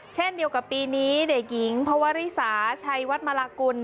เช่นเดียวกับปีนี้เด็กหญิงพวริสาชัยวัดมลากุล